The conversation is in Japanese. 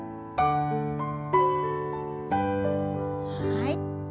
はい。